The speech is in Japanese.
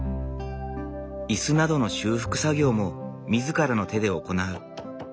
椅子などの修復作業も自らの手で行う。